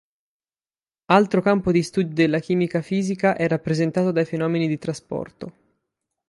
Altro campo di studio della chimica fisica è rappresentato dai fenomeni di trasporto.